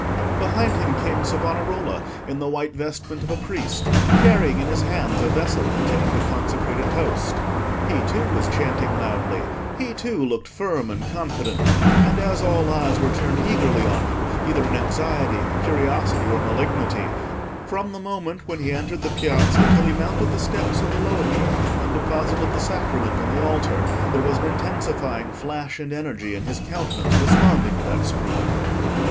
Behind him came Savonarola in the white vestment of a priest, carrying in his hands a vessel containing the consecrated Host. He, too, was chanting loudly; he, too, looked firm and confident, and as all eyes were turned eagerly on him, either in anxiety, curiosity, or malignity, from the moment when he entered the Piazza till he mounted the steps of the Loggia and deposited the Sacrament on the altar, there was an intensifying flash and energy in his countenance responding to that scrutiny.